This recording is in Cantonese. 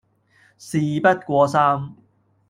事不過三